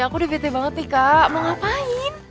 aku udah gede banget nih kak mau ngapain